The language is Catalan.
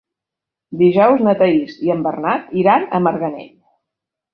Dijous na Thaís i en Bernat iran a Marganell.